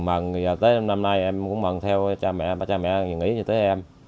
mà giờ tới năm nay em cũng mận theo cha mẹ ba cha mẹ nghĩ tới em